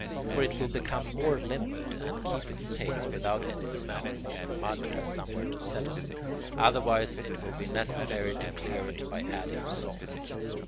For it will become more limpid, and keep its taste without any smell, if the mud has somewhere to settle; otherwise it will be necessary to clear it by adding salt.